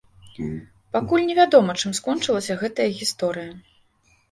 Пакуль невядома, чым скончылася гэтая гісторыя.